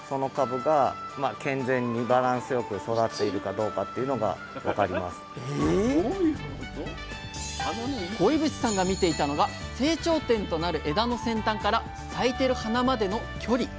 どういうことかというと五位渕さんが見ていたのは成長点となる枝の先端から咲いてる花までの距離。